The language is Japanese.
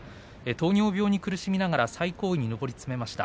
糖尿病に苦しみながら最高位に上り詰めました。